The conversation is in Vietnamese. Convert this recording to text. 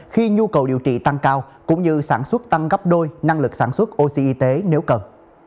khi nhu cầu điều trị tăng cao cũng như sản xuất tăng gấp đôi năng lực sản xuất oxy nếu cần